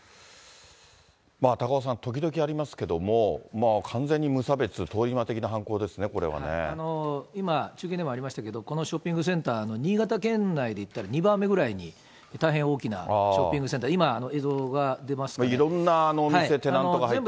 高岡さん、時々ありますけれども、完全に無差別、今、中継でもありましたけど、このショッピングセンター、新潟県内でいったら、２番目ぐらいに大変大きなショッピングセンター、今、いろんなお店、テナントが入っている。